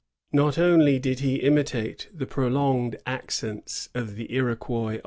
Not only did he imitate the prolonged accents of the Iroquois 1664.